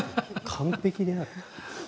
完璧である。